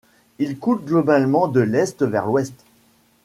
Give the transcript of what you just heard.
Il coule globalement de l'est vers l'ouest.